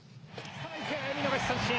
ストライク、見逃し三振。